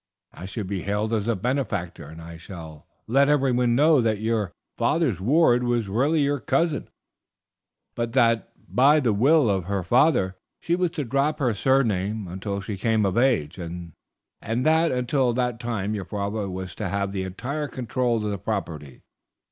I shall be hailed as a benefactor, and I shall let everyone know that your father's ward was really your cousin, but that by the will of her father she was to drop her surname until she came of age; and that until that time your father was to have the entire control of the property.